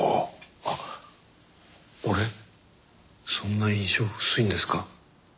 あっ俺そんな印象薄いんですか？